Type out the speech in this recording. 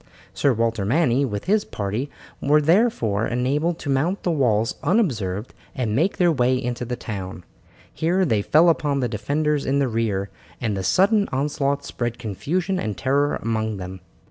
Sir Walter Manny with his party were therefore enabled to mount the walls unobserved and make their way into the town; here they fell upon the defenders in the rear, and the sudden onslaught spread confusion and terror among them.